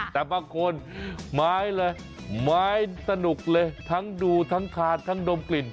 แต่บางคนไม้เลยไม้สนุกเลยทั้งดูทั้งทานทั้งดมกลิ่น